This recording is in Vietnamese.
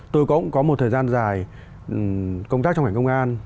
tôi cũng có một thời gian dài công tác trong ngành công an